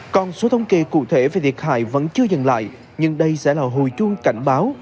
còn số thông kê cụ thể về thiệt hại vẫn chưa dừng lại nhưng đây sẽ là hồi chuông cảnh báo